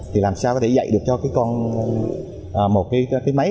thì làm sao có thể dạy được cho một cái máy